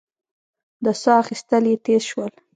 د سا اخېستل يې تېز شول.